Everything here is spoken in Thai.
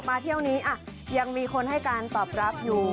เที่ยวนี้ยังมีคนให้การตอบรับอยู่